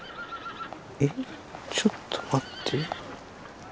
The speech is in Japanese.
えっちょっと待って。